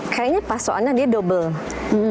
kayaknya pas soalnya dia double